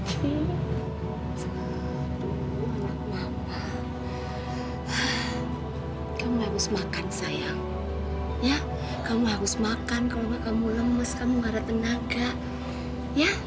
kamu harus makan kalau enggak kamu lemes kamu harap tenaga